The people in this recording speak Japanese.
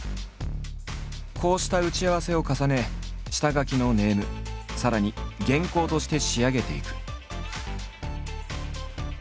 こうした打ち合わせを重ね下書きのネームさらに原稿として仕上げていく。